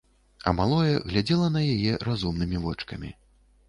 А малое глядзела на яе разумнымі вочкамі.